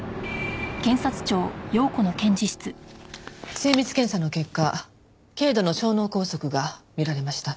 精密検査の結果軽度の小脳梗塞が見られました。